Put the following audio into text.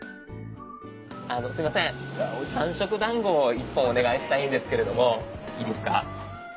あのすいません三色団子を１本お願いしたいんですけれどもいいですか。